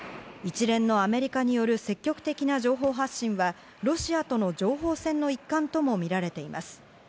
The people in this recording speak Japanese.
一連のアメリカによる積極的な情報発信はロシアとの情報戦の一環ともみられています。